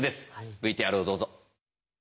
ＶＴＲをどうぞ。